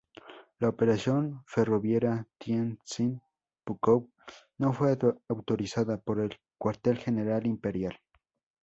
La Operación Ferroviaria Tientsin-Pukow no fue autorizada por el Cuartel General Imperial.